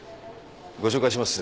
ご紹介します。